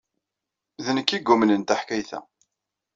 D nekk ay yumnen taḥkayt-a.